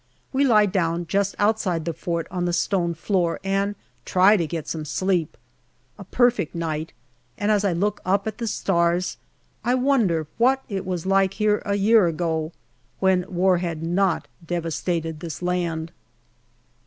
We lie down just outside the fort on the stone floor and try to get some sleep. A perfect night, and as I look up at the stars I wonder what it was like here a year ago, when war had not devastated this land.